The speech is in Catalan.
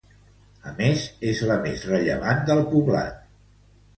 A més, és la més rellevant del Poblat.